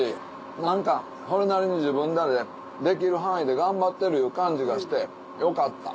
何かそれなりに自分らでできる範囲で頑張ってるいう感じがしてよかった。